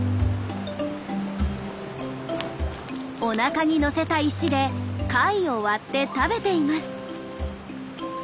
おなかにのせた石で貝を割って食べています。